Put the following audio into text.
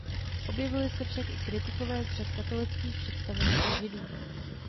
Objevili se však i kritikové z řad katolických představených a židů.